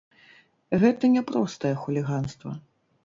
Гэта не простае хуліганства.